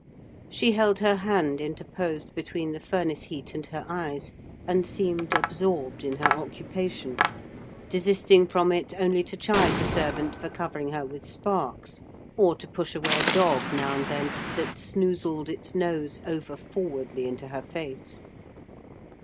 She held her hand interposed between the furnace heat and her eyes, and seemed absorbed in her occupation; desisting from it only to chide the servant for covering her with sparks, or to push away a dog, now and then, that snoozled its nose overforwardly into her face.